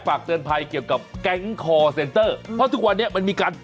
ฝากเตือนภัยเกี่ยวกับแก๊งคอร์เซ็นเตอร์เพราะทุกวันนี้มันมีการ